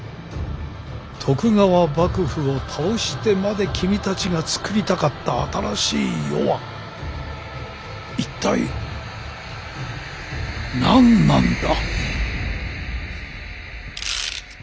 徳川幕府を倒してまで君たちが作りたかった新しい世は一体何なんだ？